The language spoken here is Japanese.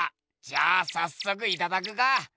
じゃあさっそくいただくか！